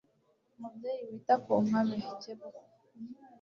mubyeyi wita ku mpabe, kebuka